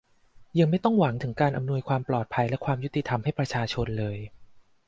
ยังไม่ต้องหวังถึงการอำนวยความปลอดภัยและความยุติธรรมให้ประชาชนเลย